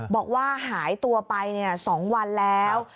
บอกว่าหายตัวไป๒วันแล้ว